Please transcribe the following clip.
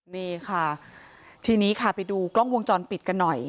นี่ค่ะทีนี้ค่ะไปดูกล้องวงจรปิดกันหน่อย